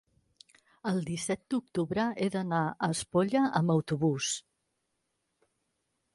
el disset d'octubre he d'anar a Espolla amb autobús.